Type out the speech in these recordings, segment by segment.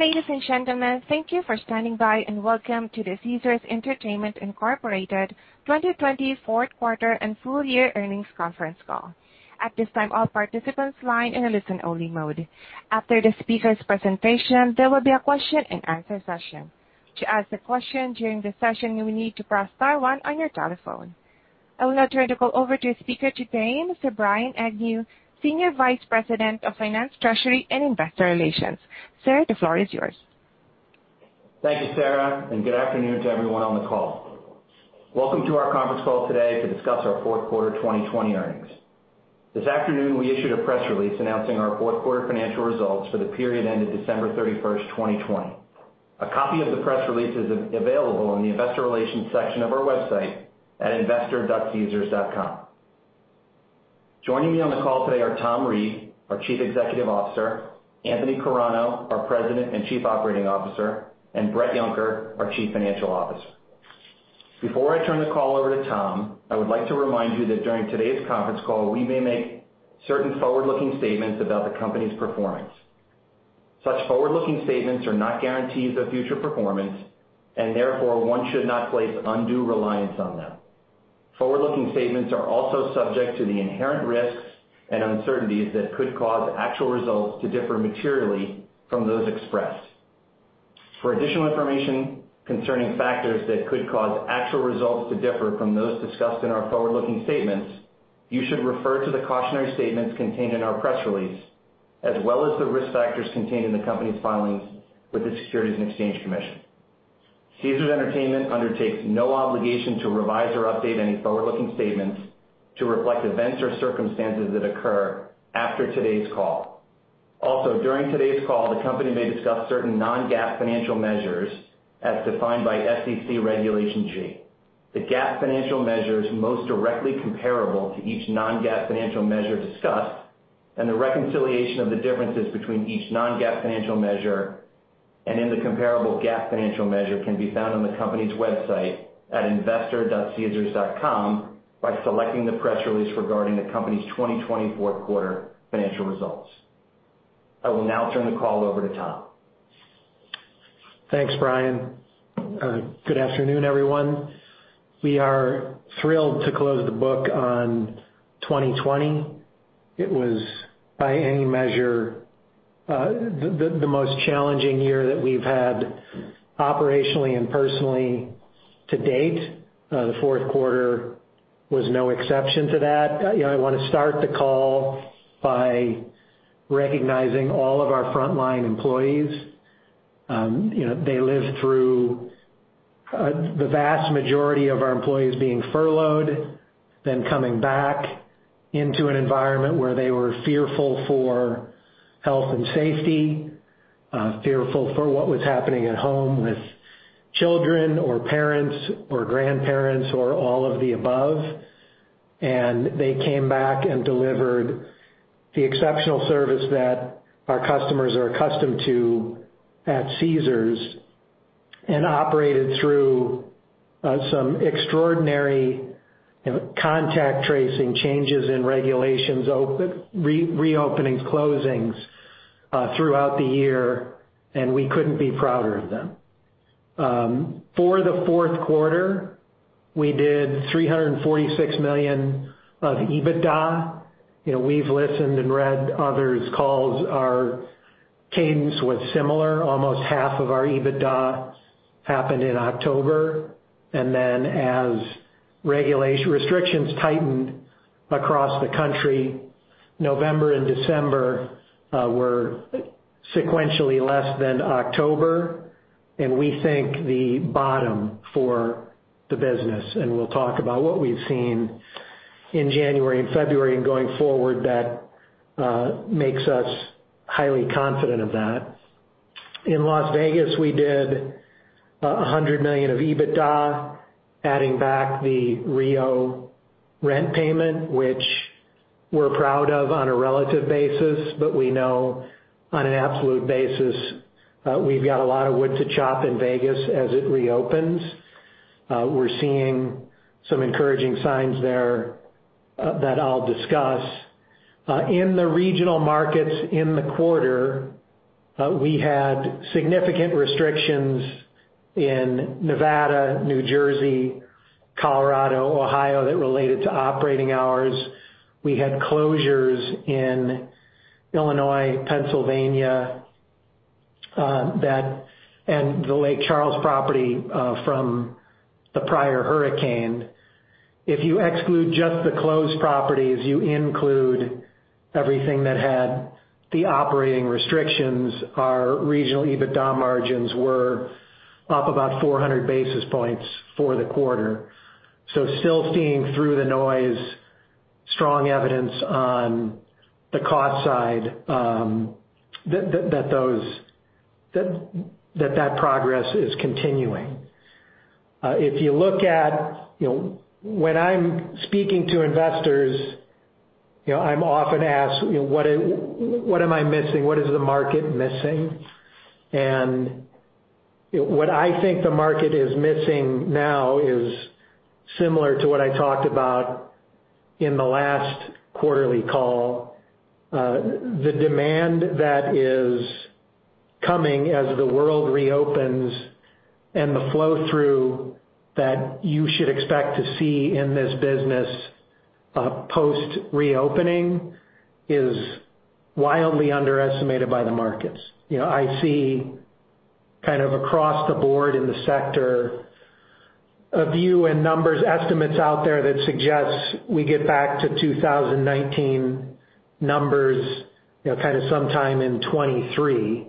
Ladies and gentlemen, thank you for standing by, and welcome to the Caesars Entertainment, Incorporated 2020 fourth quarter and full year earnings conference call. At this time, all participants line in a listen-only mode. After the speaker's presentation, there will be a question and answer session. To ask a question during the session, you will need to press star one on your telephone. I will now turn the call over to speaker today, Mr. Brian Agnew, Senior Vice President of Finance, Treasury, and Investor Relations. Sir, the floor is yours. Thank you, Sarah, and good afternoon to everyone on the call. Welcome to our conference call today to discuss our fourth quarter 2020 earnings. This afternoon, we issued a press release announcing our fourth quarter financial results for the period ended December 31st, 2020. A copy of the press release is available in the investor relations section of our website at investor.caesars.com. Joining me on the call today are Tom Reeg, our Chief Executive Officer, Anthony Carano, our President and Chief Operating Officer, and Bret Yunker, our Chief Financial Officer. Before I turn the call over to Tom, I would like to remind you that during today's conference call, we may make certain forward-looking statements about the company's performance. Such forward-looking statements are not guarantees of future performance. Therefore, one should not place undue reliance on them. Forward-looking statements are also subject to the inherent risks and uncertainties that could cause actual results to differ materially from those expressed. For additional information concerning factors that could cause actual results to differ from those discussed in our forward-looking statements, you should refer to the cautionary statements contained in our press release, as well as the risk factors contained in the company's filings with the Securities and Exchange Commission. Caesars Entertainment undertakes no obligation to revise or update any forward-looking statements to reflect events or circumstances that occur after today's call. Also, during today's call, the company may discuss certain non-GAAP financial measures as defined by SEC Regulation G. The GAAP financial measure is most directly comparable to each non-GAAP financial measure discussed. The reconciliation of the differences between each non-GAAP financial measure and in the comparable GAAP financial measure can be found on the company's website at investor.caesars.com by selecting the press release regarding the company's 2020 fourth quarter financial results. I will now turn the call over to Tom. Thanks, Brian. Good afternoon, everyone. We are thrilled to close the book on 2020. It was, by any measure, the most challenging year that we've had operationally and personally to date. The fourth quarter was no exception to that. I want to start the call by recognizing all of our frontline employees. They lived through the vast majority of our employees being furloughed, then coming back into an environment where they were fearful for health and safety, fearful for what was happening at home with children or parents or grandparents or all of the above. They came back and delivered the exceptional service that our customers are accustomed to at Caesars, and operated through some extraordinary contact tracing changes in regulations, reopenings, closings throughout the year, and we couldn't be prouder of them. For the fourth quarter, we did $346 million of EBITDA. We've listened and read others' calls. Our cadence was similar. Almost half of our EBITDA happened in October. As restrictions tightened across the country, November and December were sequentially less than October, and we think the bottom for the business, and we'll talk about what we've seen in January and February and going forward that makes us highly confident of that. In Las Vegas, we did $100 million of EBITDA, adding back the Rio rent payment, which we're proud of on a relative basis, but we know on an absolute basis, we've got a lot of wood to chop in Vegas as it reopens. We're seeing some encouraging signs there that I'll discuss. In the regional markets in the quarter, we had significant restrictions in Nevada, New Jersey, Colorado, Ohio, that related to operating hours. We had closures in Illinois, Pennsylvania, and the Lake Charles property from the prior hurricane. If you exclude just the closed properties, you include everything that had the operating restrictions, our regional EBITDA margins were up about 400 basis points for the quarter. Still seeing through the noise, strong evidence on the cost side that that progress is continuing. When I'm speaking to investors, I'm often asked, what am I missing? What is the market missing? What I think the market is missing now is similar to what I talked about in the last quarterly call. The demand that is coming as the world reopens and the flow-through that you should expect to see in this business post-reopening is wildly underestimated by the markets. I see kind of across the board in the sector, a view and numbers estimates out there that suggests we get back to 2019 numbers kind of sometime in 2023.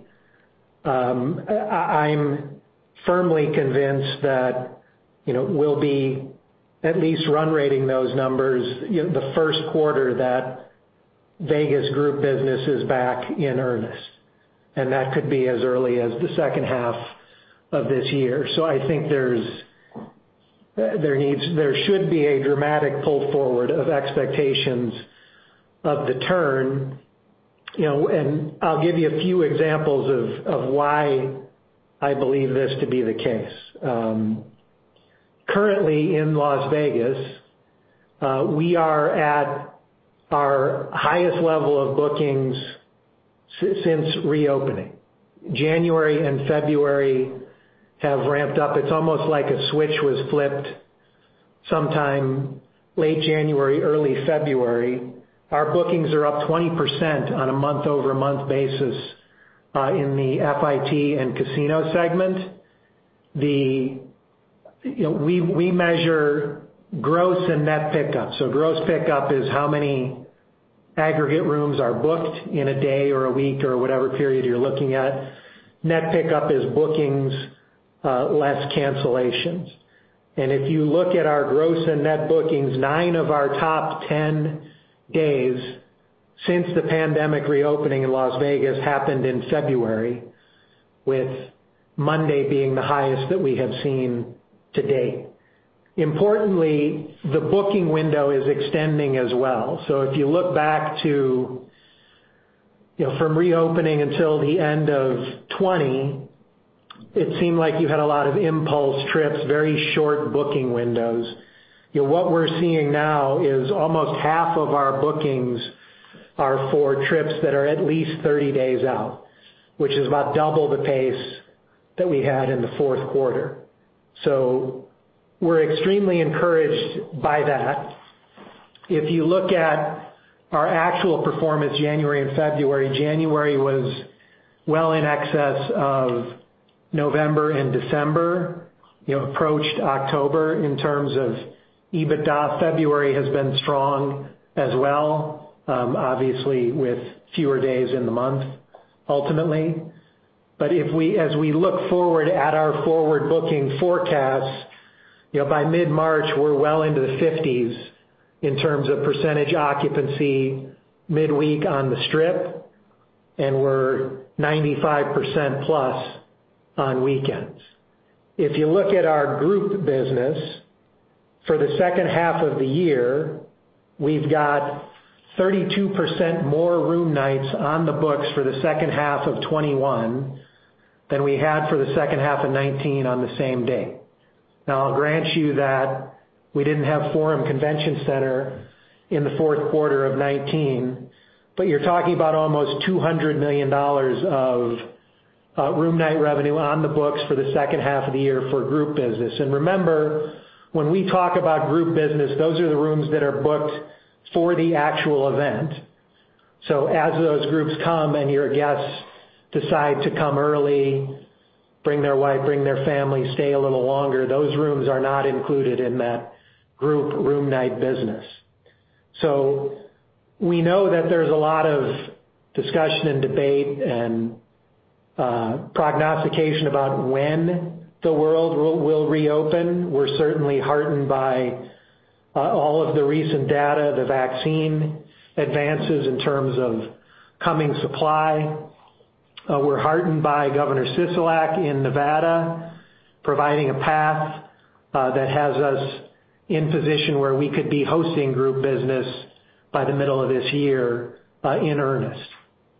I'm firmly convinced that we'll be at least run rating those numbers the first quarter that Las Vegas group business is back in earnest, and that could be as early as the second half of this year. I think there should be a dramatic pull forward of expectations of the turn. I'll give you a few examples of why I believe this to be the case. Currently in Las Vegas, we are at our highest level of bookings since reopening. January and February have ramped up. It's almost like a switch was flipped sometime late January, early February. Our bookings are up 20% on a month-over-month basis in the FIT and casino segment. We measure gross and net pickup. Gross pickup is how many aggregate rooms are booked in a day or a week or whatever period you're looking at. Net pickup is bookings less cancellations. If you look at our gross and net bookings, nine of our top 10 days since the pandemic reopening in Las Vegas happened in February, with Monday being the highest that we have seen to date. Importantly, the booking window is extending as well. If you look back to from reopening until the end of 2020, it seemed like you had a lot of impulse trips, very short booking windows. What we're seeing now is almost half of our bookings are for trips that are at least 30 days out, which is about double the pace that we had in the fourth quarter. We're extremely encouraged by that. If you look at our actual performance January and February, January was well in excess of November and December, approached October in terms of EBITDA. February has been strong as well, obviously with fewer days in the month, ultimately. As we look forward at our forward booking forecasts, by mid-March, we're well into the 50s in terms of % occupancy midweek on the Strip, and we're 95%+ on weekends. If you look at our group business for the second half of the year, we've got 32% more room nights on the books for the second half of 2021 than we had for the second half of 2019 on the same day. Now, I'll grant you that we didn't have Forum Convention Center in the fourth quarter of 2019, but you're talking about almost $200 million of room night revenue on the books for the second half of the year for group business. Remember, when we talk about group business, those are the rooms that are booked for the actual event. As those groups come and your guests decide to come early, bring their wife, bring their family, stay a little longer, those rooms are not included in that group room night business. We know that there's a lot of discussion and debate and prognostication about when the world will reopen. We're certainly heartened by all of the recent data, the vaccine advances in terms of coming supply. We're heartened by Governor Sisolak in Nevada providing a path that has us in position where we could be hosting group business by the middle of this year in earnest.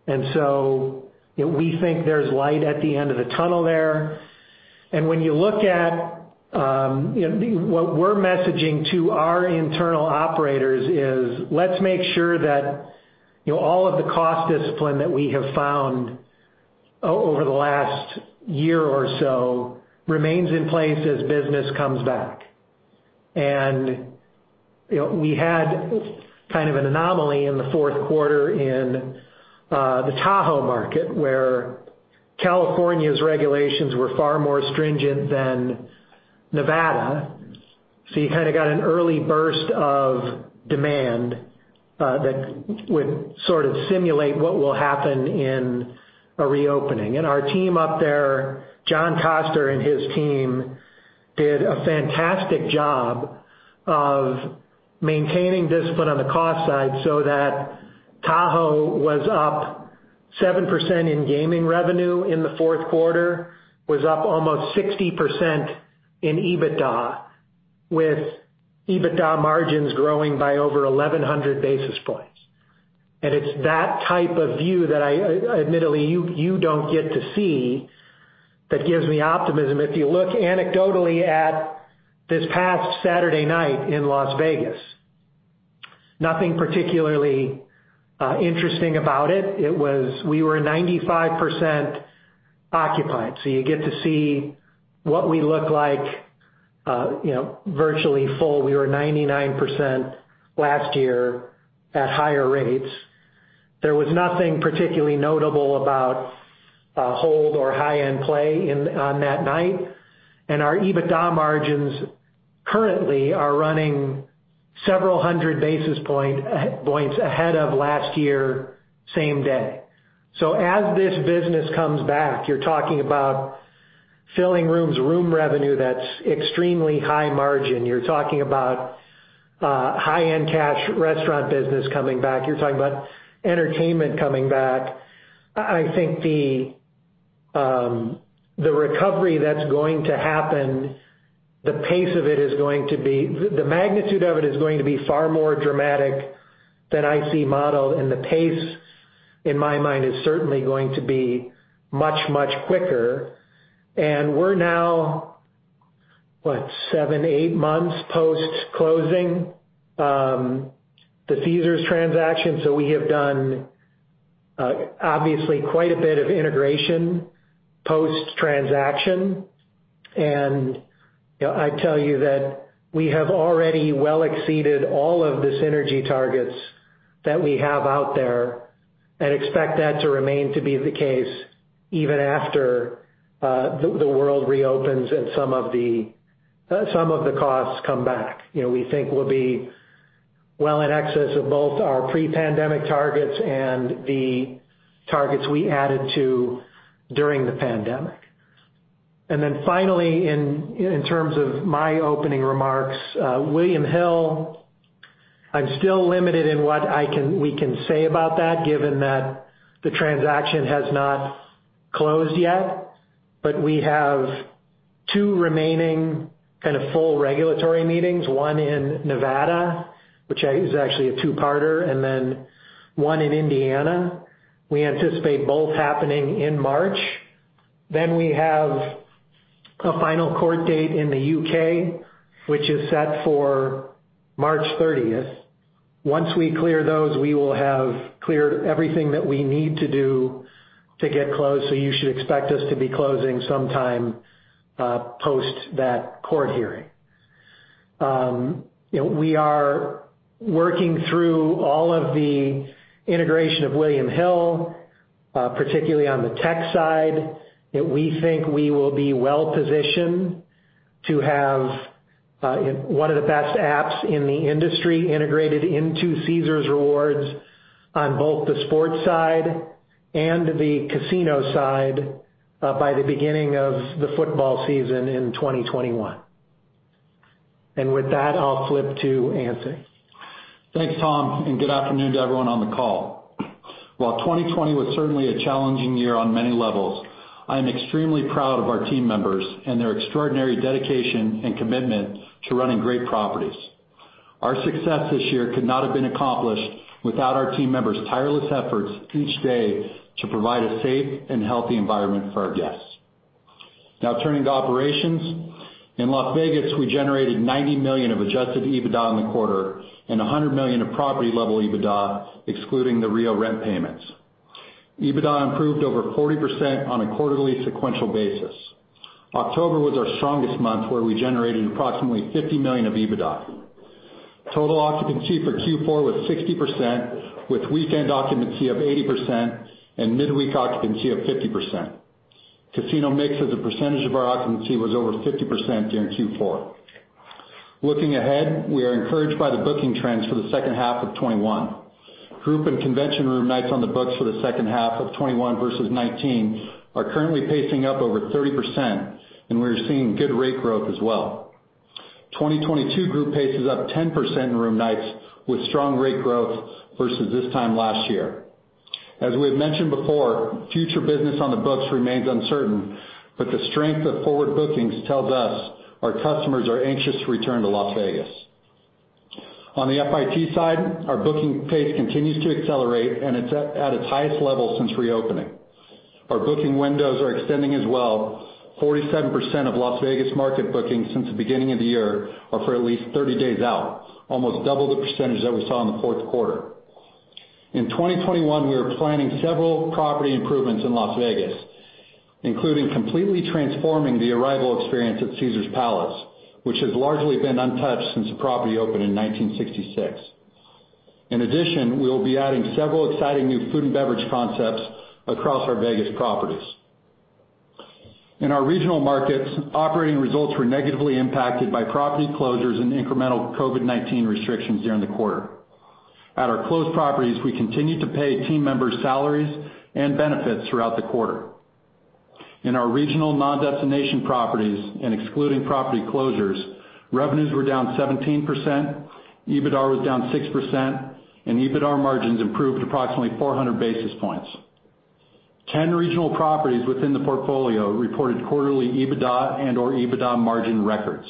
We think there's light at the end of the tunnel there. When you look at what we're messaging to our internal operators is, let's make sure that all of the cost discipline that we have found over the last year or so remains in place as business comes back. We had kind of an anomaly in the fourth quarter in the Tahoe market, where California's regulations were far more stringent than Nevada. You kind of got an early burst of demand that would sort of simulate what will happen in a reopening. Our team up there, John Koster and his team, did a fantastic job of maintaining discipline on the cost side so that Tahoe was up 7% in gaming revenue in the fourth quarter, was up almost 60% in EBITDA, with EBITDA margins growing by over 1,100 basis points. It's that type of view that, admittedly, you don't get to see, that gives me optimism. If you look anecdotally at this past Saturday night in Las Vegas, nothing particularly interesting about it. We were 95% occupied. You get to see what we look like virtually full. We were 99% last year at higher rates. There was nothing particularly notable about hold or high-end play on that night. Our EBITDA margins currently are running several hundred basis points ahead of last year, same day. As this business comes back, you're talking about filling rooms, room revenue that's extremely high margin. You're talking about high-end cash restaurant business coming back. You're talking about entertainment coming back. I think the recovery that's going to happen, the magnitude of it is going to be far more dramatic than I see modeled. The pace, in my mind, is certainly going to be much, much quicker. We're now, what? seven, eight months post-closing the Caesars transaction. We have done obviously quite a bit of integration post-transaction. I tell you that we have already well exceeded all of the synergy targets that we have out there, and expect that to remain to be the case even after the world reopens and some of the costs come back. We think we'll be well in excess of both our pre-pandemic targets and the targets we added to during the pandemic. Finally, in terms of my opening remarks, William Hill, I'm still limited in what we can say about that, given that the transaction has not closed yet. We have two remaining kind of full regulatory meetings, one in Nevada, which is actually a two-parter, and then one in Indiana. We anticipate both happening in March. We have a final court date in the U.K., which is set for March 30th. Once we clear those, we will have cleared everything that we need to do to get closed. You should expect us to be closing sometime post that court hearing. We are working through all of the integration of William Hill, particularly on the tech side, that we think we will be well positioned to have one of the best apps in the industry integrated into Caesars Rewards on both the sports side and the casino side by the beginning of the football season in 2021. With that, I'll flip to Anthony. Thanks, Tom. Good afternoon to everyone on the call. While 2020 was certainly a challenging year on many levels, I am extremely proud of our team members and their extraordinary dedication and commitment to running great properties. Our success this year could not have been accomplished without our team members' tireless efforts each day to provide a safe and healthy environment for our guests. Turning to operations. In Las Vegas, we generated $90 million of adjusted EBITDA in the quarter and $100 million of property-level EBITDA, excluding the Rio rent payments. EBITDA improved over 40% on a quarterly sequential basis. October was our strongest month, where we generated approximately $50 million of EBITDA. Total occupancy for Q4 was 60%, with weekend occupancy of 80% and midweek occupancy of 50%. Casino mix as a percentage of our occupancy was over 50% during Q4. Looking ahead, we are encouraged by the booking trends for the second half of 2021. Group and convention room nights on the books for the second half of 2021 versus 2019 are currently pacing up over 30%, and we are seeing good rate growth as well. 2022 group pace is up 10% in room nights, with strong rate growth versus this time last year. As we have mentioned before, future business on the books remains uncertain, but the strength of forward bookings tells us our customers are anxious to return to Las Vegas. On the FIT side, our booking pace continues to accelerate, and it's at its highest level since reopening. Our booking windows are extending as well. 47% of Las Vegas market bookings since the beginning of the year are for at least 30 days out, almost double the percentage that we saw in the fourth quarter. In 2021, we are planning several property improvements in Las Vegas, including completely transforming the arrival experience at Caesars Palace, which has largely been untouched since the property opened in 1966. In addition, we will be adding several exciting new food and beverage concepts across our Vegas properties. In our regional markets, operating results were negatively impacted by property closures and incremental COVID-19 restrictions during the quarter. At our closed properties, we continued to pay team members' salaries and benefits throughout the quarter. In our regional non-destination properties and excluding property closures, revenues were down 17%, EBITDA was down 6%, and EBITDA margins improved approximately 400 basis points. 10 regional properties within the portfolio reported quarterly EBITDA and/or EBITDA margin records.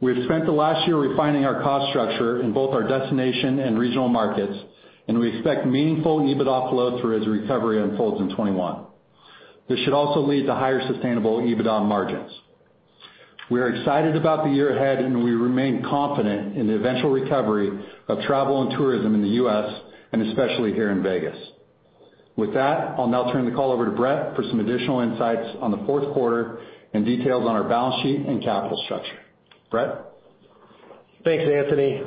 We've spent the last year refining our cost structure in both our destination and regional markets. We expect meaningful EBITDA flow through as recovery unfolds in 2021. This should also lead to higher sustainable EBITDA margins. We are excited about the year ahead. We remain confident in the eventual recovery of travel and tourism in the U.S. and especially here in Vegas. With that, I'll now turn the call over to Bret for some additional insights on the fourth quarter and details on our balance sheet and capital structure. Bret? Thanks, Anthony.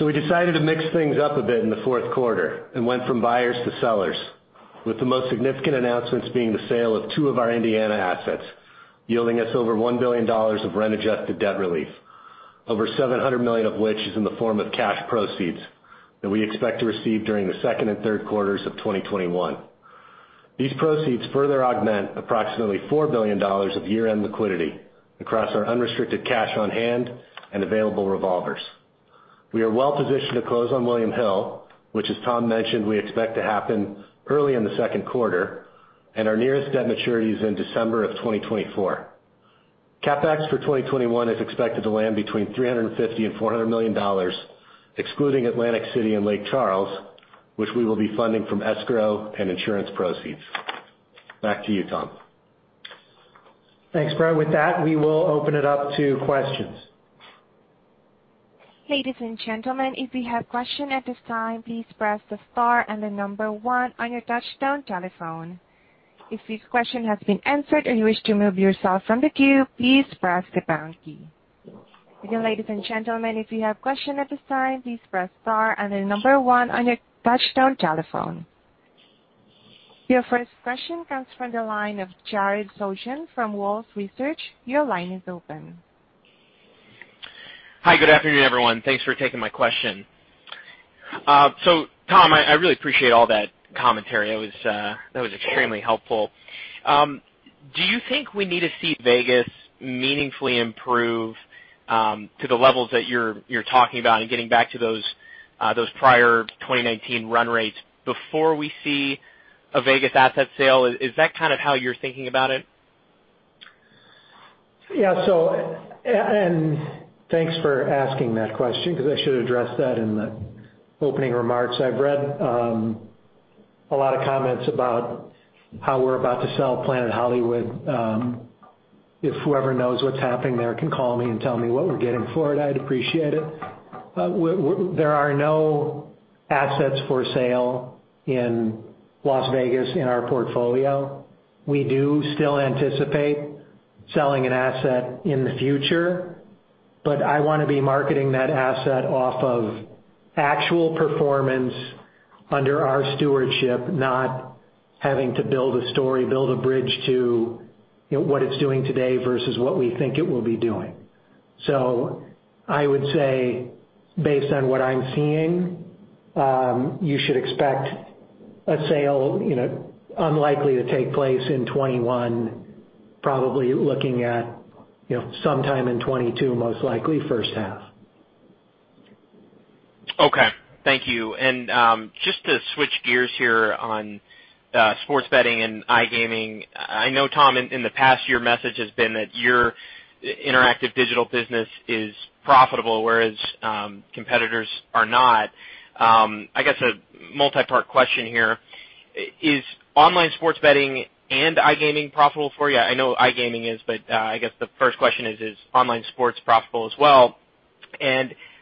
We decided to mix things up a bit in the fourth quarter and went from buyers to sellers, with the most significant announcements being the sale of two of our Indiana assets, yielding us over $1 billion of rent-adjusted debt relief, over $700 million of which is in the form of cash proceeds that we expect to receive during the second and third quarters of 2021. These proceeds further augment approximately $4 billion of year-end liquidity across our unrestricted cash on hand and available revolvers. We are well-positioned to close on William Hill, which, as Tom mentioned, we expect to happen early in the second quarter, and our nearest debt maturity is in December of 2024. CapEx for 2021 is expected to land between $350 million and $400 million, excluding Atlantic City and Lake Charles, which we will be funding from escrow and insurance proceeds. Back to you, Tom. Thanks, Bret. With that, we will open it up to questions. Ladies and gentlemen, if you have question at this time, please press the star and the number one on your touchtone telephone. If this question has been answered and you wish to remove yourself from the queue, please press the pound key. Again, ladies and gentlemen, if you have question at this time, please press star and the number one on your touchtone telephone. Your first question comes from the line of Jared Shojaian from Wolfe Research. Your line is open. Hi. Good afternoon, everyone. Thanks for taking my question. Tom, I really appreciate all that commentary. That was extremely helpful. Do you think we need to see Vegas meaningfully improve to the levels that you're talking about and getting back to those prior 2019 run rates before we see a Vegas asset sale? Is that kind of how you're thinking about it? Yeah. Thanks for asking that question, because I should've addressed that in the opening remarks. I've read a lot of comments about how we're about to sell Planet Hollywood. If whoever knows what's happening there can call me and tell me what we're getting for it, I'd appreciate it. There are no assets for sale in Las Vegas in our portfolio. We do still anticipate selling an asset in the future, but I want to be marketing that asset off of actual performance under our stewardship, not having to build a story, build a bridge to what it's doing today versus what we think it will be doing. I would say based on what I'm seeing, you should expect a sale unlikely to take place in 2021, probably looking at sometime in 2022, most likely first half. Okay. Thank you. Just to switch gears here on sports betting and iGaming, I know, Tom, in the past, your message has been that your interactive digital business is profitable, whereas competitors are not. I guess, a multipart question here. Is online sports betting and iGaming profitable for you? I know iGaming is, but I guess the first question is online sports profitable as well?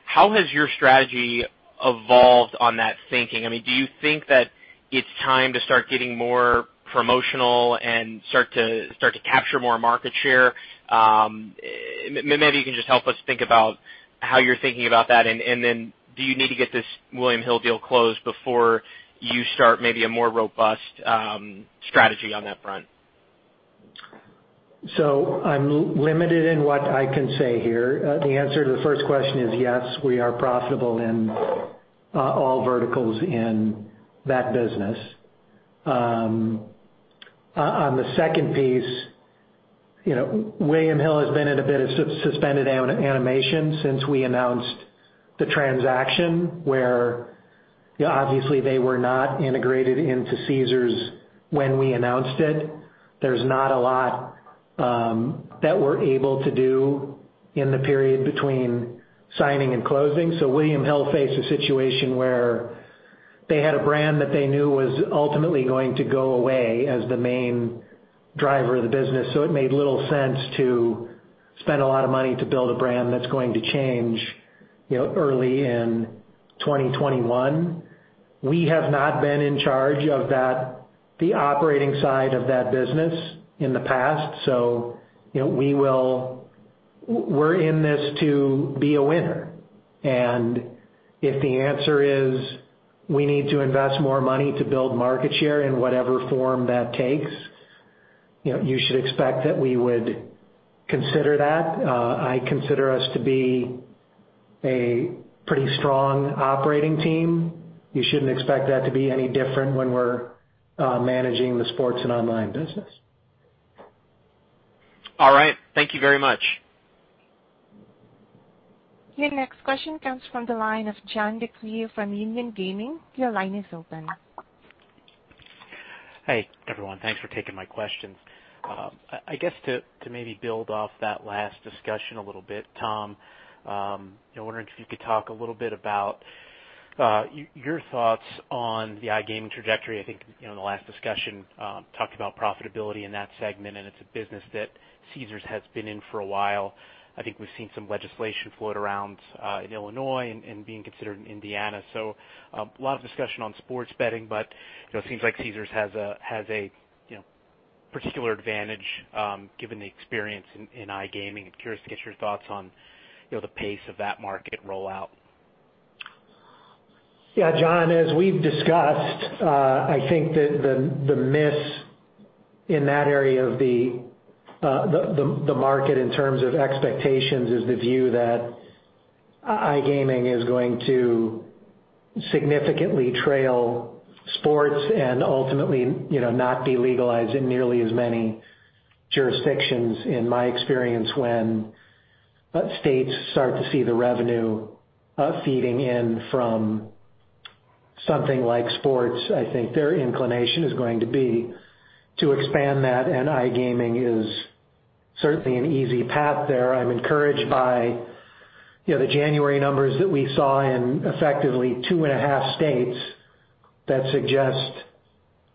How has your strategy evolved on that thinking? Do you think that it's time to start getting more promotional and start to capture more market share? Maybe you can just help us think about how you're thinking about that, and then do you need to get this William Hill deal closed before you start maybe a more robust strategy on that front? I'm limited in what I can say here. The answer to the first question is yes, we are profitable in all verticals in that business. On the second piece, William Hill has been in a bit of suspended animation since we announced the transaction, where obviously they were not integrated into Caesars when we announced it. There's not a lot that we're able to do in the period between signing and closing. William Hill faced a situation where they had a brand that they knew was ultimately going to go away as the main driver of the business, so it made little sense to spend a lot of money to build a brand that's going to change early in 2021. We have not been in charge of the operating side of that business in the past, so we're in this to be a winner. If the answer is we need to invest more money to build market share in whatever form that takes, you should expect that we would consider that. I consider us to be a pretty strong operating team. You shouldn't expect that to be any different when we're managing the sports and online business. All right. Thank you very much. Your next question comes from the line of John DeCree from Union Gaming. Your line is open. Hey, everyone. Thanks for taking my questions. I guess to maybe build off that last discussion a little bit, Tom, I'm wondering if you could talk a little bit about your thoughts on the iGaming trajectory. I think in the last discussion, talked about profitability in that segment. It's a business that Caesars has been in for a while. I think we've seen some legislation float around in Illinois and being considered in Indiana. A lot of discussion on sports betting. It seems like Caesars has a particular advantage, given the experience in iGaming. I'm curious to get your thoughts on the pace of that market rollout. Yeah, John, as we've discussed, I think that the miss in that area of the market in terms of expectations is the view that iGaming is going to significantly trail sports and ultimately, not be legalized in nearly as many jurisdictions. In my experience, when states start to see the revenue feeding in from something like sports, I think their inclination is going to be to expand that, and iGaming is certainly an easy path there. I'm encouraged by the January numbers that we saw in effectively two and a half states that suggest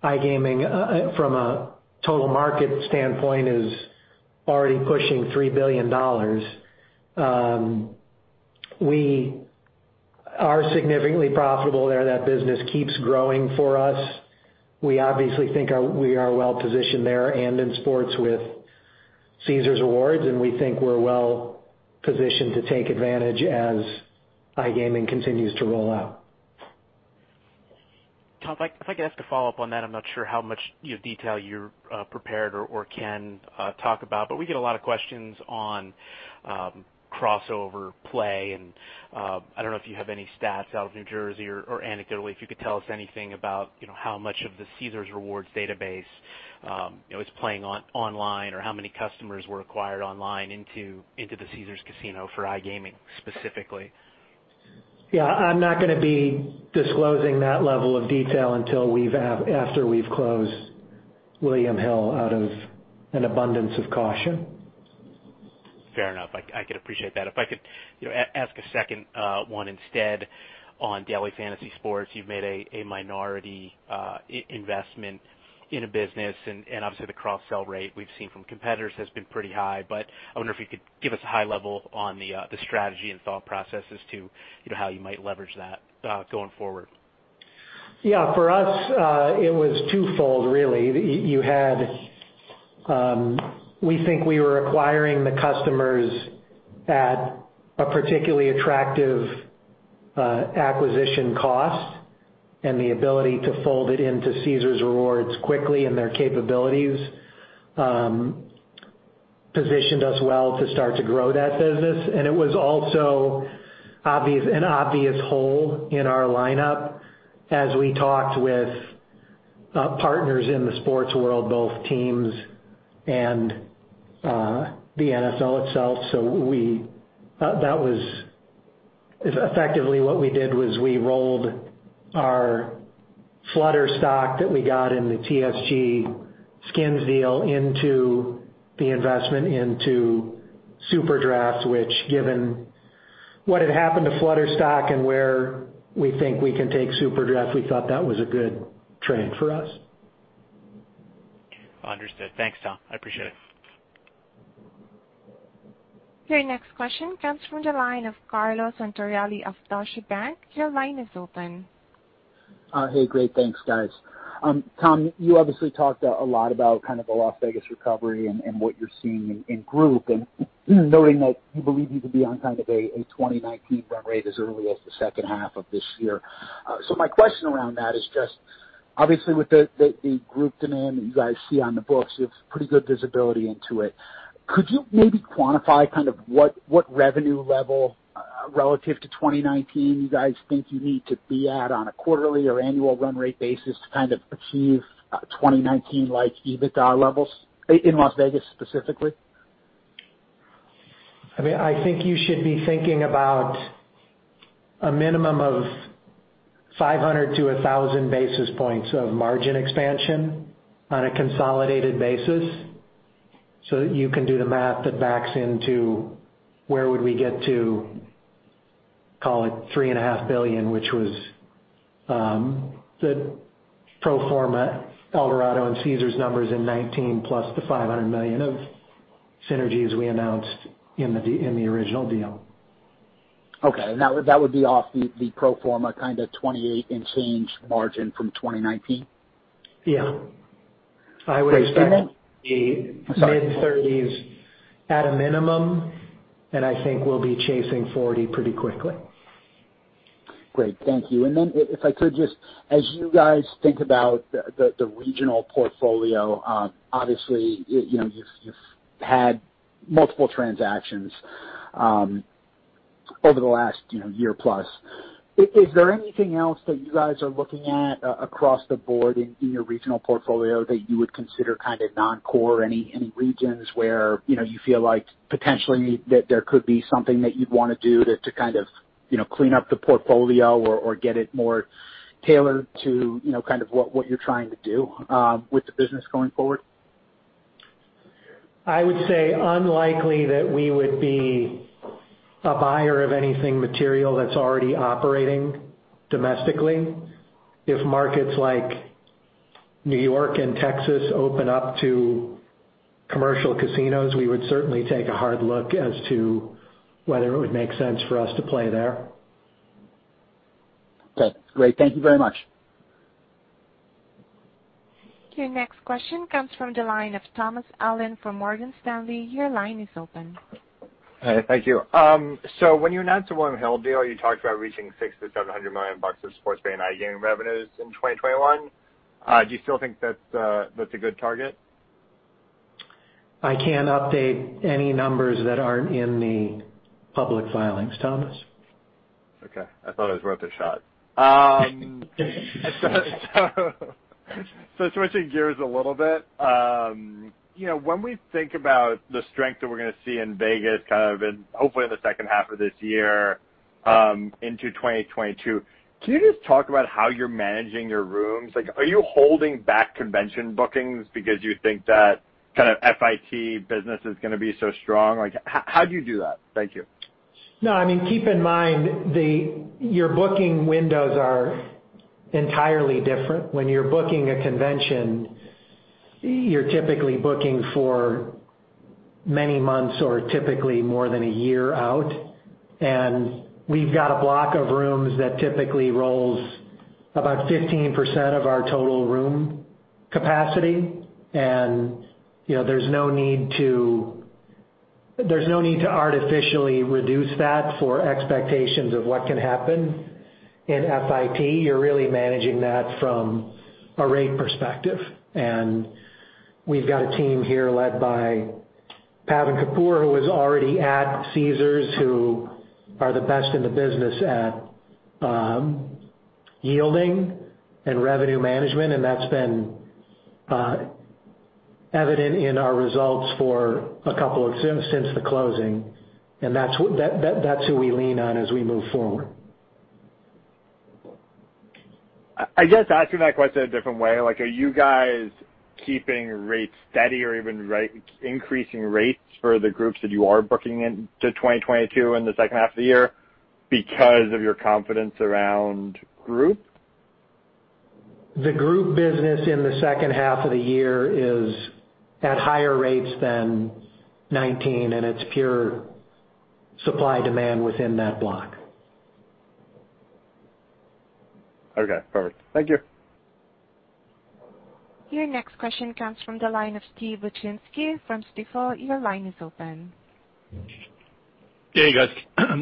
iGaming, from a total market standpoint, is already pushing $3 billion. We are significantly profitable there. That business keeps growing for us. We obviously think we are well-positioned there and in sports with Caesars Rewards, and we think we're well-positioned to take advantage as iGaming continues to roll out. Tom, if I could ask a follow-up on that. I am not sure how much detail you are prepared or can talk about, but we get a lot of questions on crossover play, and I do not know if you have any stats out of New Jersey or anecdotally, if you could tell us anything about how much of the Caesars Rewards database is playing online, or how many customers were acquired online into the Caesars casino for iGaming specifically. Yeah, I'm not going to be disclosing that level of detail until after we've closed William Hill out of an abundance of caution. Fair enough. I could appreciate that. If I could ask a second one instead on daily fantasy sports. You've made a minority investment in a business. Obviously the cross-sell rate we've seen from competitors has been pretty high. I wonder if you could give us a high level on the strategy and thought processes to how you might leverage that going forward. Yeah. For us, it was twofold really. We think we were acquiring the customers at a particularly attractive acquisition cost and the ability to fold it into Caesars Rewards quickly and their capabilities positioned us well to start to grow that business. It was also an obvious hole in our lineup as we talked with partners in the sports world, both teams and the NFL itself. Effectively what we did was we rolled our Flutter stock that we got in the TSG skins deal into the investment into SuperDraft, which given what had happened to Flutter stock and where we think we can take SuperDraft, we thought that was a good trade for us. Understood. Thanks, Tom. I appreciate it. Your next question comes from the line of Carlo Santarelli of Deutsche Bank. Your line is open. Hey. Great. Thanks, guys. Tom, you obviously talked a lot about kind of the Las Vegas recovery and what you're seeing in group and noting that you believe you could be on kind of a 2019 run rate as early as the second half of this year. My question around that is just obviously with the group demand that you guys see on the books, you have pretty good visibility into it. Could you maybe quantify kind of what revenue level relative to 2019 you guys think you need to be at on a quarterly or annual run rate basis to kind of achieve 2019-like EBITDA levels in Las Vegas specifically? I think you should be thinking about a minimum of 500-1,000 basis points of margin expansion on a consolidated basis so that you can do the math that backs into where would we get to, call it $3.5 billion, which was the pro forma Eldorado and Caesars numbers in 2019, plus the $500 million of synergies we announced in the original deal. Okay. That would be off the pro forma kind of 28 and change margin from 2019? Yeah. Great. I would expect. Sorry mid-30s at a minimum, and I think we'll be chasing 40 pretty quickly. Great. Thank you. If I could just, as you guys think about the regional portfolio, obviously, you've had multiple transactions over the last year plus. Is there anything else that you guys are looking at across the board in your regional portfolio that you would consider kind of non-core? Any regions where you feel like potentially that there could be something that you'd want to do to kind of clean up the portfolio or get it more tailored to kind of what you're trying to do with the business going forward? I would say unlikely that we would be a buyer of anything material that's already operating domestically. If markets like New York and Texas open up to commercial casinos, we would certainly take a hard look as to whether it would make sense for us to play there. Okay, great. Thank you very much. Your next question comes from the line of Thomas Allen from Morgan Stanley. Your line is open. Hey, thank you. When you announced the William Hill deal, you talked about reaching $600 million-$700 million of sports betting iGaming revenues in 2021. Do you still think that's a good target? I can't update any numbers that aren't in the public filings, Thomas. Okay. I thought it was worth a shot. Switching gears a little bit. When we think about the strength that we're going to see in Vegas, kind of in, hopefully, in the second half of this year into 2022, can you just talk about how you're managing your rooms? Are you holding back convention bookings because you think that kind of FIT business is going to be so strong? How do you do that? Thank you. Keep in mind, your booking windows are entirely different. When you're booking a convention, you're typically booking for many months or typically more than a year out, and we've got a block of rooms that typically rolls about 15% of our total room capacity. There's no need to artificially reduce that for expectations of what can happen in FIT. You're really managing that from a rate perspective. We've got a team here led by Pavan Kapur, who was already at Caesars, who are the best in the business at yielding and revenue management, and that's been evident in our results since the closing. That's who we lean on as we move forward. I guess asking that question a different way, are you guys keeping rates steady or even increasing rates for the groups that you are booking into 2022 in the second half of the year because of your confidence around group? The group business in the second half of the year is at higher rates than 2019, and it's pure supply-demand within that block. Okay, perfect. Thank you. Your next question comes from the line of Steve Wieczynski from Stifel. Your line is open. Hey, guys.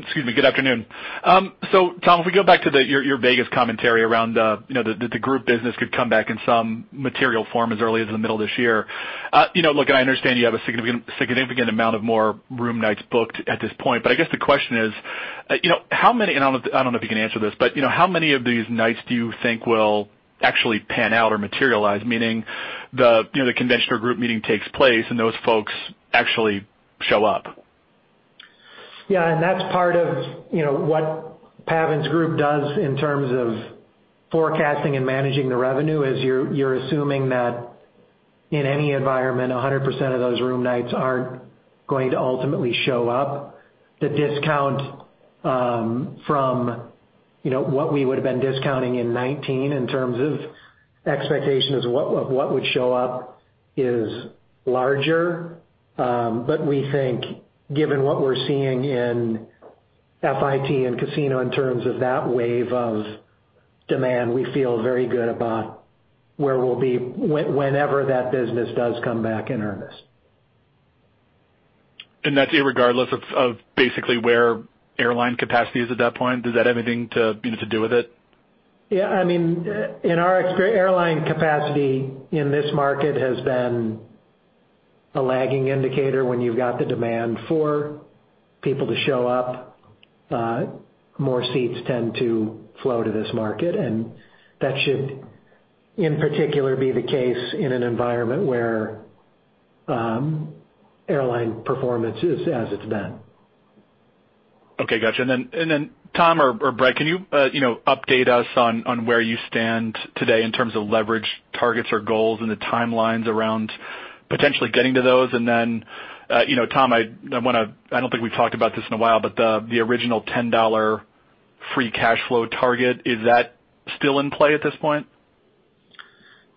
Excuse me. Good afternoon. Tom, if we go back to your Vegas commentary around that the group business could come back in some material form as early as the middle of this year. Look, I understand you have a significant amount of more room nights booked at this point. I guess the question is, I don't know if you can answer this, but how many of these nights do you think will actually pan out or materialize? Meaning the convention or group meeting takes place, and those folks actually show up. Yeah, that's part of what Pavan's group does in terms of forecasting and managing the revenue, is you're assuming that in any environment, 100% of those room nights aren't going to ultimately show up. The discount from what we would've been discounting in 2019 in terms of expectations of what would show up is larger. We think, given what we're seeing in FIT and casino in terms of that wave of demand, we feel very good about where we'll be whenever that business does come back in earnest. That's irregardless of basically where airline capacity is at that point. Does that have anything to do with it? Yeah. In our experience, airline capacity in this market has been a lagging indicator. When you've got the demand for people to show up, more seats tend to flow to this market, and that should, in particular, be the case in an environment where airline performance is as it's been. Okay, got you. Tom or Bret, can you update us on where you stand today in terms of leverage targets or goals and the timelines around potentially getting to those? Tom, I don't think we've talked about this in a while, but the original $10 free cash flow target, is that still in play at this point?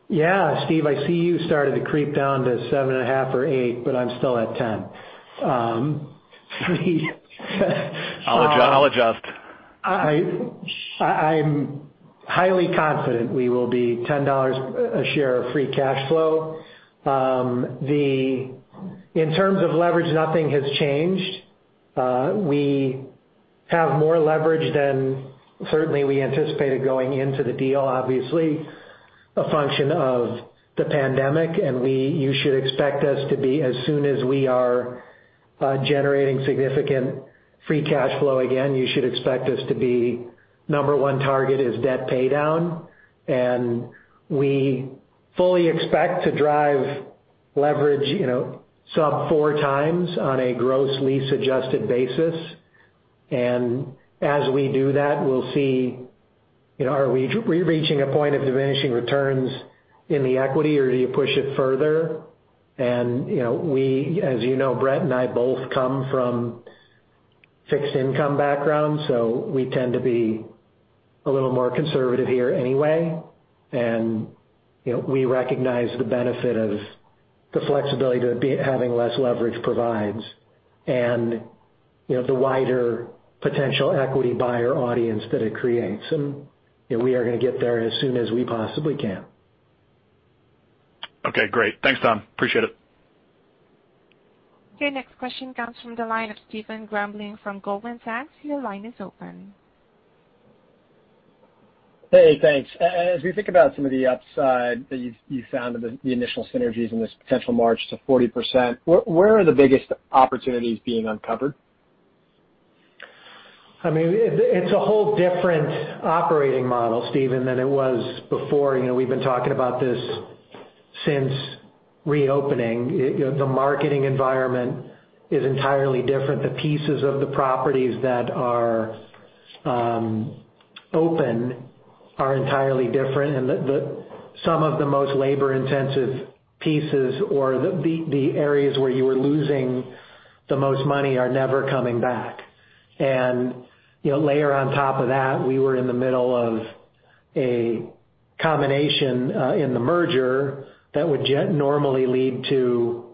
Yeah, Steve, I see you started to creep down to $7.5 or $8, but I'm still at $10. I'll adjust. I'm highly confident we will be $10 a share of free cash flow. In terms of leverage, nothing has changed. We have more leverage than certainly we anticipated going into the deal, obviously, a function of the pandemic, you should expect us to be, as soon as we are generating significant free cash flow again, you should expect us to be number one target is debt paydown. We fully expect to drive leverage sub four times on a gross lease adjusted basis. As we do that, we'll see, are we reaching a point of diminishing returns in the equity, or do you push it further? As you know, Bret and I both come from fixed income backgrounds, so we tend to be a little more conservative here anyway. We recognize the benefit of the flexibility that having less leverage provides and the wider potential equity buyer audience that it creates. We are going to get there as soon as we possibly can. Okay, great. Thanks, Tom. Appreciate it. Okay, next question comes from the line of Stephen Grambling from Goldman Sachs. Your line is open. Hey, thanks. As we think about some of the upside that you found, the initial synergies and this potential march to 40%, where are the biggest opportunities being uncovered? I mean, it's a whole different operating model, Stephen, than it was before. We've been talking about this since reopening. The marketing environment is entirely different. The pieces of the properties that are open are entirely different, and some of the most labor-intensive pieces or the areas where you were losing the most money are never coming back. Layer on top of that, we were in the middle of a combination in the merger that would normally lead to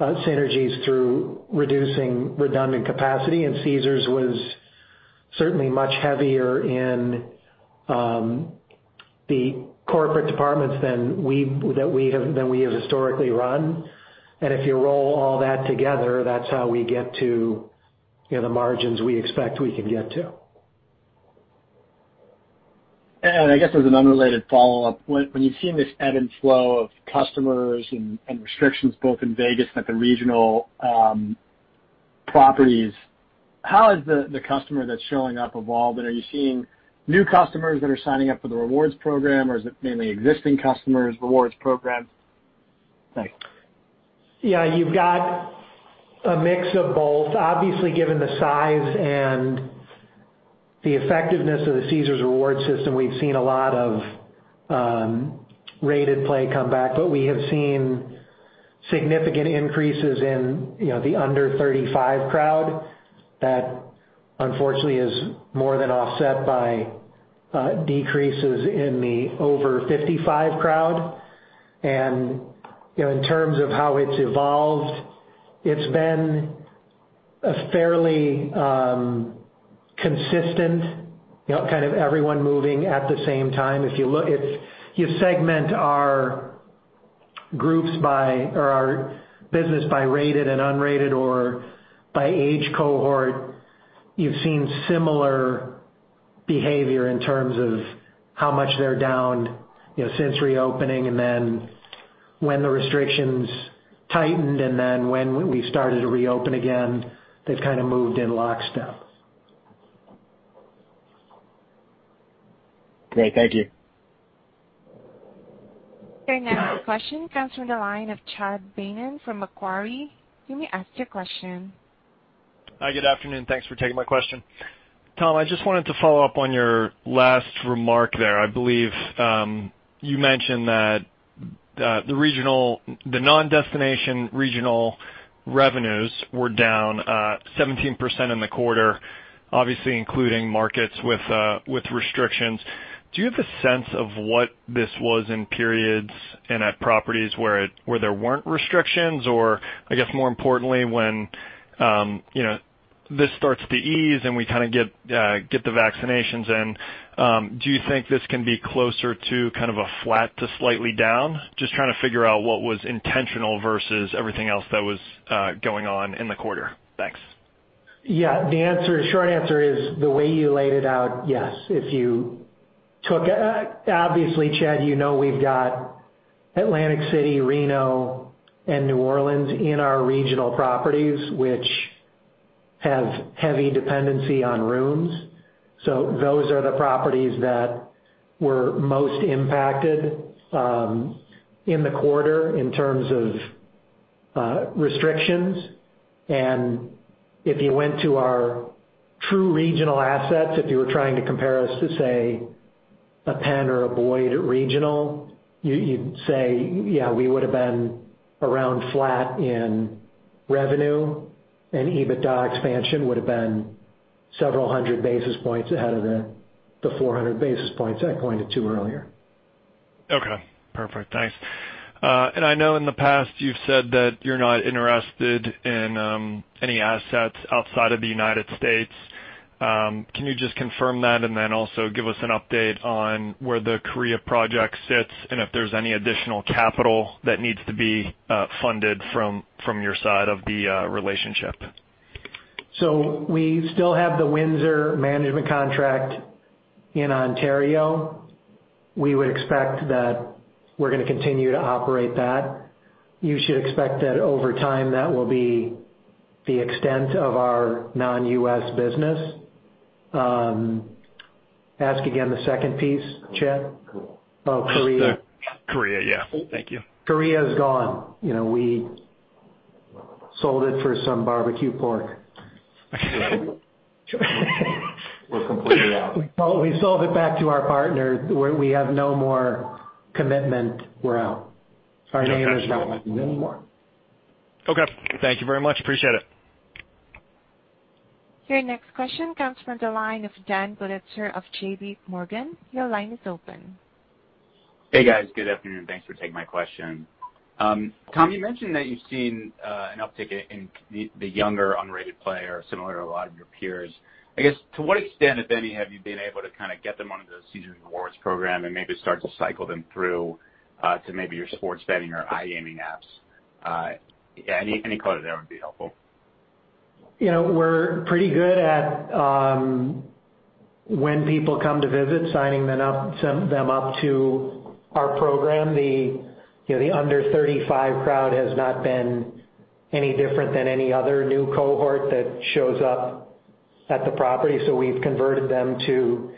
synergies through reducing redundant capacity, and Caesars was certainly much heavier in the corporate departments than we have historically run. If you roll all that together, that's how we get to the margins we expect we can get to. I guess as an unrelated follow-up, when you've seen this ebb and flow of customers and restrictions both in Vegas and at the regional properties, how has the customer that's showing up evolved? Are you seeing new customers that are signing up for the rewards program, or is it mainly existing customers, rewards programs? Thanks. Yeah, you've got a mix of both. Obviously, given the size and the effectiveness of the Caesars Rewards system, we've seen a lot of rated play come back. We have seen significant increases in the under 35 crowd that unfortunately is more than offset by decreases in the over 55 crowd. In terms of how it's evolved, it's been a fairly consistent kind of everyone moving at the same time. If you segment our groups by or our business by rated and unrated or by age cohort, you've seen similar behavior in terms of how much they're down since reopening and then when the restrictions tightened and then when we started to reopen again. They've kind of moved in lockstep. Great, thank you. Okay, now the question comes from the line of Chad Beynon from Macquarie. You may ask your question. Hi, good afternoon. Thanks for taking my question. Tom, I just wanted to follow up on your last remark there. I believe, you mentioned that the non-destination regional revenues were down 17% in the quarter, obviously including markets with restrictions. Do you have a sense of what this was in periods and at properties where there weren't restrictions? I guess more importantly, when this starts to ease and we kind of get the vaccinations in, do you think this can be closer to kind of a flat to slightly down? Just trying to figure out what was intentional versus everything else that was going on in the quarter. Thanks. Yeah, the short answer is the way you laid it out, yes. Obviously, Chad, you know we've got Atlantic City, Reno, and New Orleans in our regional properties, which have heavy dependency on rooms. Those are the properties that were most impacted in the quarter in terms of restrictions. If you went to our true regional assets, if you were trying to compare us to, say, a Penn or a Boyd regional, you'd say, yeah, we would've been around flat in revenue, and EBITDA expansion would've been several hundred basis points ahead of the 400 basis points I pointed to earlier. Okay, perfect. Thanks. I know in the past you've said that you're not interested in any assets outside of the United States. Can you just confirm that and then also give us an update on where the Korea project sits and if there's any additional capital that needs to be funded from your side of the relationship? We still have the Windsor management contract in Ontario. We would expect that we're going to continue to operate that. You should expect that over time, that will be the extent of our non-U.S. business. Ask again the second piece, Chad, oh, Korea. Korea, yeah. Thank you. Korea is gone. We sold it for some barbecue pork. We're completely out. We sold it back to our partner. We have no more commitment. We're out. Our name is not on it anymore. Okay. Thank you very much. Appreciate it. Your next question comes from the line of Dan Politzer of JPMorgan. Your line is open. Hey, guys. Good afternoon. Thanks for taking my question. Tom, you mentioned that you've seen an uptick in the younger unrated player, similar to a lot of your peers. I guess, to what extent, if any, have you been able to get them onto the Caesars Rewards program and maybe start to cycle them through to maybe your sports betting or iGaming apps? Any color there would be helpful. We're pretty good at when people come to visit, signing them up to our program. The under 35 crowd has not been any different than any other new cohort that shows up at the property, so we've converted them to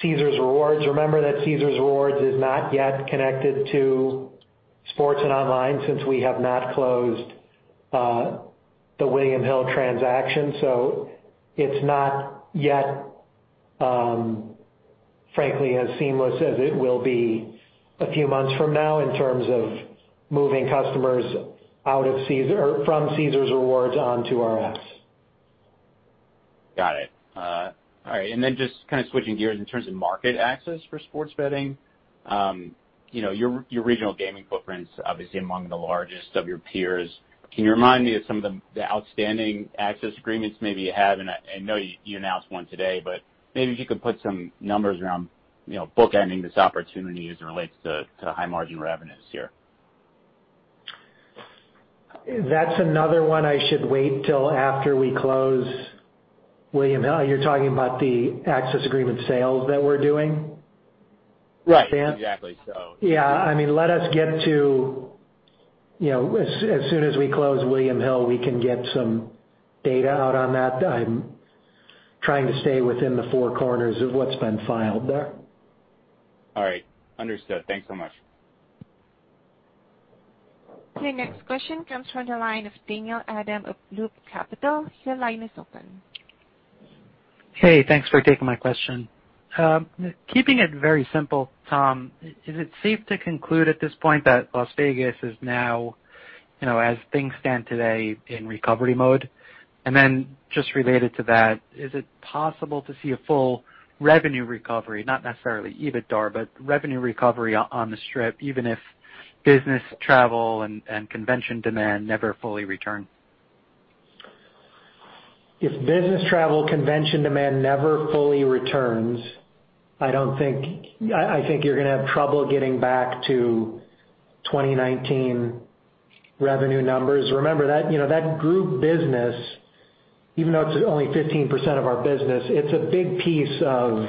Caesars Rewards. Remember that Caesars Rewards is not yet connected to sports and online, since we have not closed the William Hill transaction. It's not yet, frankly, as seamless as it will be a few months from now in terms of moving customers from Caesars Rewards onto our apps. Got it. All right. Just kind of switching gears in terms of market access for sports betting. Your regional gaming footprint's obviously among the largest of your peers. Can you remind me of some of the outstanding access agreements maybe you have? I know you announced one today, maybe if you could put some numbers around bookending this opportunity as it relates to high margin revenues here. That's another one I should wait till after we close William Hill. You're talking about the access agreement sales that we're doing? Right. Exactly. Yeah, let us get to, as soon as we close William Hill, we can get some data out on that. I'm trying to stay within the four corners of what's been filed there. All right. Understood. Thanks so much. The next question comes from the line of Daniel Adam of Loop Capital. Your line is open. Hey, thanks for taking my question. Keeping it very simple, Tom, is it safe to conclude at this point that Las Vegas is now, as things stand today, in recovery mode? Just related to that, is it possible to see a full revenue recovery, not necessarily EBITDA, but revenue recovery on the Strip, even if business travel and convention demand never fully return? If business travel convention demand never fully returns, I think you're going to have trouble getting back to 2019 revenue numbers. Remember, that group business, even though it's only 15% of our business, it's a big piece of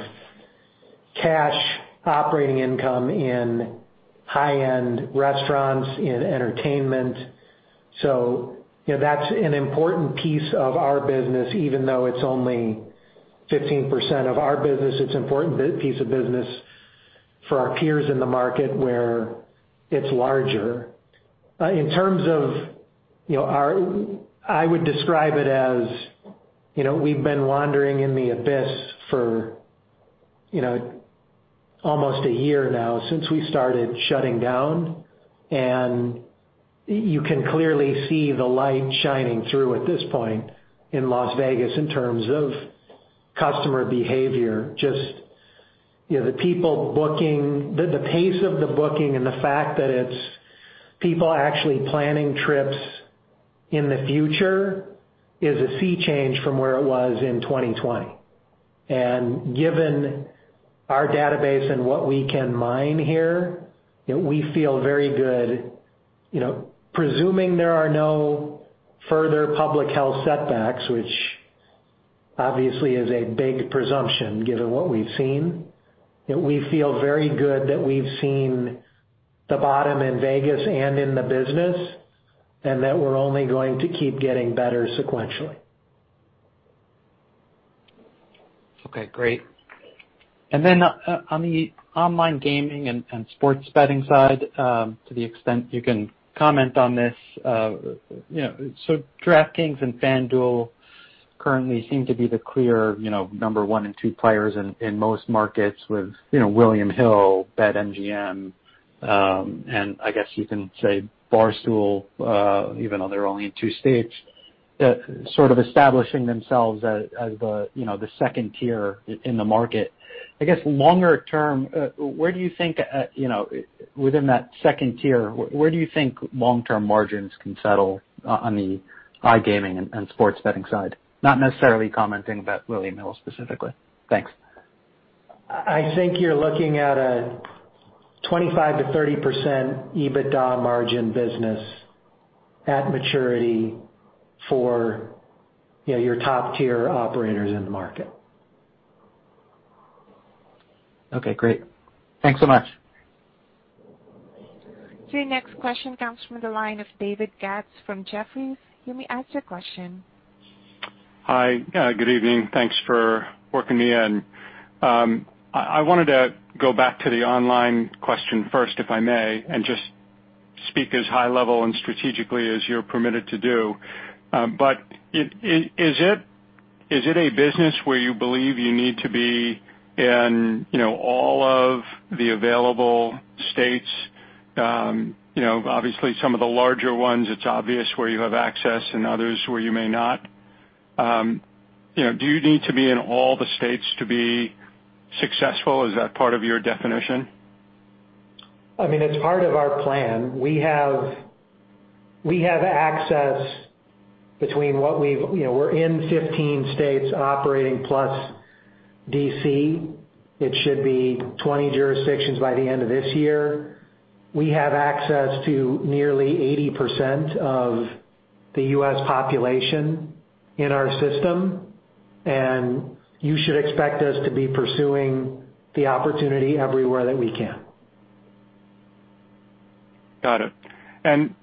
cash operating income in high-end restaurants, in entertainment. That's an important piece of our business, even though it's only 15% of our business. It's an important piece of business for our peers in the market where it's larger. In terms of I would describe it as we've been wandering in the abyss for almost a year now, since we started shutting down. You can clearly see the light shining through at this point in Las Vegas in terms of customer behavior, just the people booking, the pace of the booking and the fact that it's people actually planning trips in the future is a sea change from where it was in 2020. Given our database and what we can mine here, we feel very good. Presuming there are no further public health setbacks, which obviously is a big presumption given what we've seen, we feel very good that we've seen the bottom in Vegas and in the business, and that we're only going to keep getting better sequentially. Okay, great. On the online gaming and sports betting side, to the extent you can comment on this. DraftKings and FanDuel currently seem to be the clear number one and two players in most markets with William Hill, BetMGM, and I guess you can say Barstool, even though they're only in two states, sort of establishing themselves as the second tier in the market. I guess longer term, within that second tier, where do you think long-term margins can settle on the iGaming and sports betting side? Not necessarily commenting about William Hill specifically. Thanks. I think you're looking at a 25%-30% EBITDA margin business at maturity for your top-tier operators in the market. Okay, great. Thanks so much. Your next question comes from the line of David Katz from Jefferies. You may ask your question. Hi. Good evening. Thanks for working me in. I wanted to go back to the online question first, if I may, and just speak as high level and strategically as you're permitted to do. Is it a business where you believe you need to be in all of the available states? Obviously, some of the larger ones, it's obvious where you have access and others where you may not. Do you need to be in all the states to be successful? Is that part of your definition? It's part of our plan. We have access between we're in 15 states operating, plus D.C. It should be 20 jurisdictions by the end of this year. We have access to nearly 80% of the U.S. population in our system, and you should expect us to be pursuing the opportunity everywhere that we can. Got it.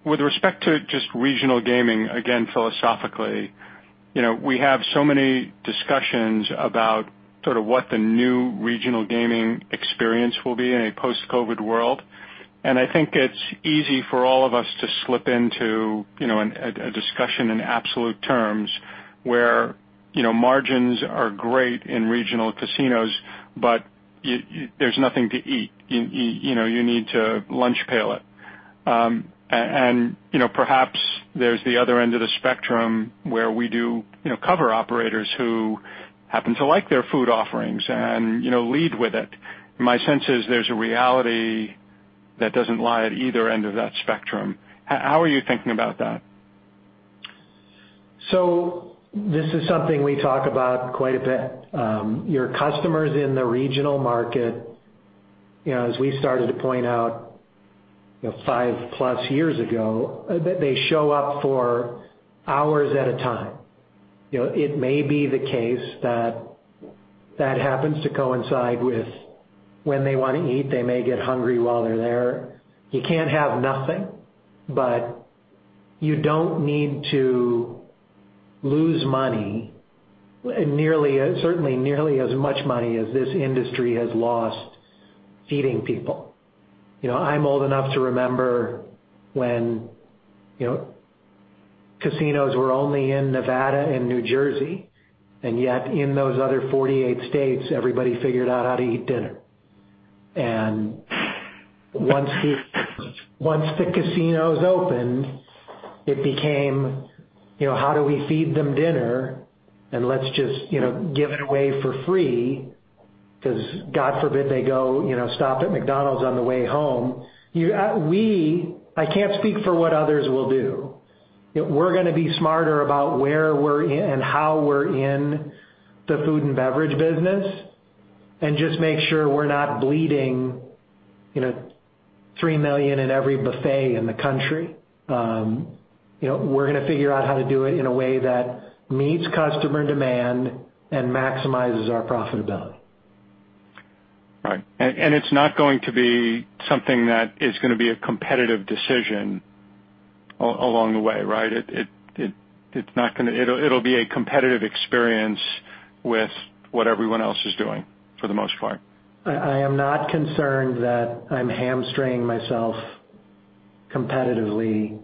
With respect to just regional gaming, again, philosophically, we have so many discussions about sort of what the new regional gaming experience will be in a post-COVID world. I think it's easy for all of us to slip into a discussion in absolute terms, where margins are great in regional casinos, but there's nothing to eat. You need to lunch pail it. Perhaps there's the other end of the spectrum where we do cover operators who happen to like their food offerings and lead with it. My sense is there's a reality that doesn't lie at either end of that spectrum. How are you thinking about that? This is something we talk about quite a bit. Your customers in the regional market, as we started to point out, five-plus years ago, they show up for hours at a time. It may be the case that that happens to coincide with when they want to eat. They may get hungry while they're there. You can't have nothing, but you don't need to lose money, certainly nearly as much money as this industry has lost feeding people. I'm old enough to remember when casinos were only in Nevada and New Jersey, and yet in those other 48 states, everybody figured out how to eat dinner. Once the casinos opened, it became, how do we feed them dinner? Let's just give it away for free because God forbid they go stop at McDonald's on the way home. I can't speak for what others will do. We're going to be smarter about where we're in and how we're in the food and beverage business and just make sure we're not bleeding $3 million in every buffet in the country. We're going to figure out how to do it in a way that meets customer demand and maximizes our profitability. Right. It's not going to be something that is going to be a competitive decision along the way, right? It'll be a competitive experience with what everyone else is doing for the most part. I am not concerned that I'm hamstring myself competitively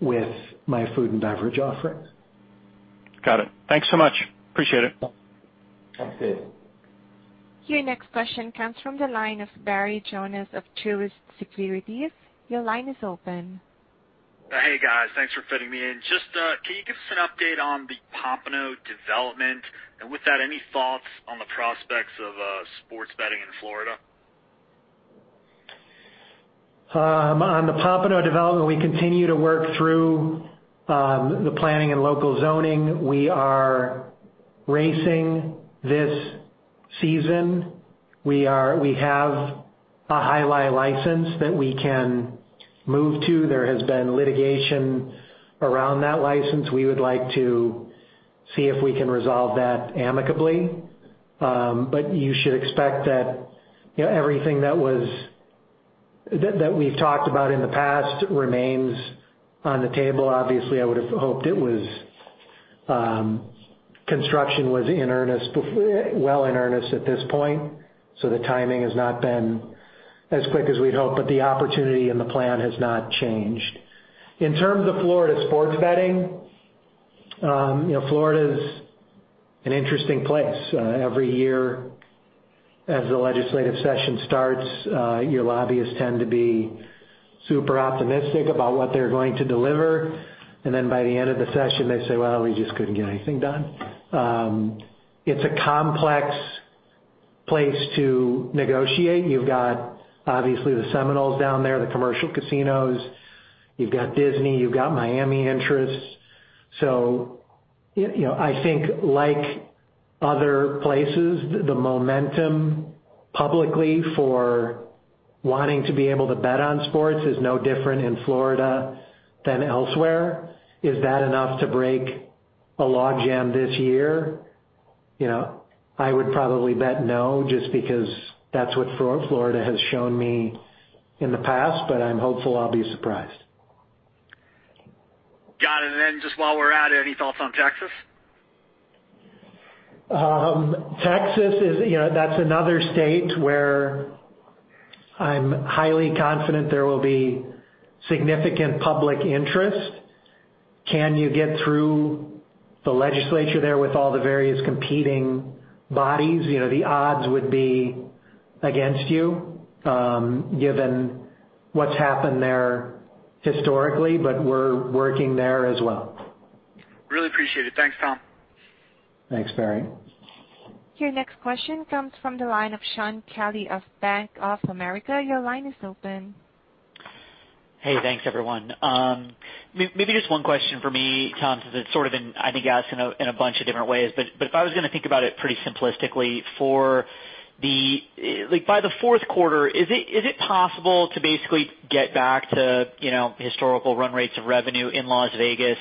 with my food and beverage offerings. Got it. Thanks so much. Appreciate it. Thanks, David. Your next question comes from the line of Barry Jonas of Truist Securities. Your line is open. Hey, guys. Thanks for fitting me in. Just can you give us an update on the Pompano development, and with that, any thoughts on the prospects of sports betting in Florida? On the Pompano development, we continue to work through the planning and local zoning. We are racing this season. We have a Jai Alai license that we can move to. There has been litigation around that license. We would like to see if we can resolve that amicably. You should expect that everything that we've talked about in the past remains on the table. Obviously, I would've hoped construction was well in earnest at this point. The timing has not been as quick as we'd hoped, but the opportunity and the plan has not changed. In terms of Florida sports betting, Florida's an interesting place. Every year as the legislative session starts, your lobbyists tend to be super optimistic about what they're going to deliver, and then by the end of the session, they say, "Well, we just couldn't get anything done." It's a complex place to negotiate. You've got, obviously, the Seminoles down there, the commercial casinos. You've got Disney, you've got Miami interests. I think like other places, the momentum publicly for wanting to be able to bet on sports is no different in Florida than elsewhere. Is that enough to break a logjam this year? I would probably bet no, just because that's what Florida has shown me in the past, but I'm hopeful I'll be surprised. Got it. Just while we're at it, any thoughts on Texas? Texas, that's another state where I'm highly confident there will be significant public interest. Can you get through the legislature there with all the various competing bodies? The odds would be against you, given what's happened there historically, but we're working there as well. Really appreciate it. Thanks, Tom. Thanks, Barry. Your next question comes from the line of Shaun Kelley of Bank of America. Your line is open. Hey, thanks everyone. Maybe just one question for me, Tom, because it's sort of been, I think, asked in a bunch of different ways, but if I was going to think about it pretty simplistically, by the fourth quarter, is it possible to basically get back to historical run rates of revenue in Las Vegas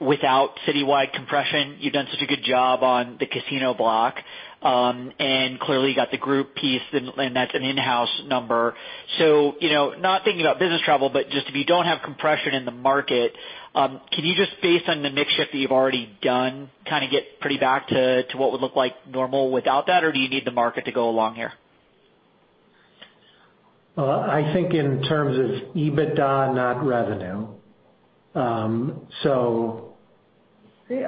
without citywide compression? You've done such a good job on the casino block, and clearly, you got the group piece & that's an in-house number. Not thinking about business travel, but just if you don't have compression in the market, can you just based on the mix shift that you've already done, kind of get pretty back to what would look like normal without that? Do you need the market to go along here? I think in terms of EBITDA, not revenue.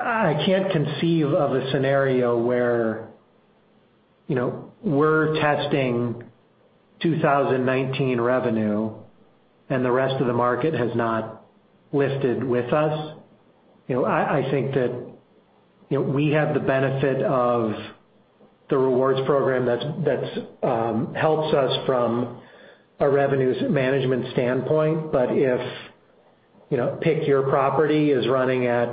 I can't conceive of a scenario where we're testing 2019 revenue and the rest of the market has not lifted with us. I think that we have the benefit of the rewards program that helps us from a revenues management standpoint. If pick your property is running at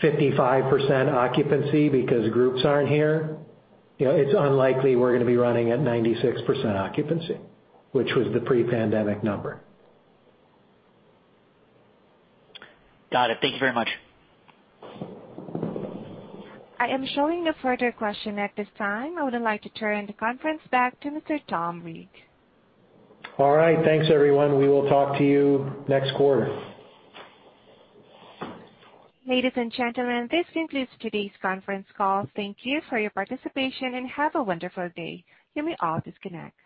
55% occupancy because groups aren't here, it's unlikely we're going to be running at 96% occupancy, which was the pre-pandemic number. Got it. Thank you very much. I am showing no further question at this time. I would like to turn the conference back to Mr. Tom Reeg. All right. Thanks, everyone. We will talk to you next quarter. Ladies and gentlemen, this concludes today's conference call. Thank you for your participation, and have a wonderful day. You may all disconnect.